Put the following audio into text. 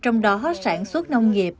trong đó sản xuất nông nghiệp